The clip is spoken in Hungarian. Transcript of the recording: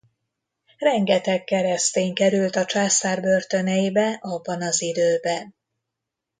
Rengeteg keresztény került a császár börtöneibe abban az időben.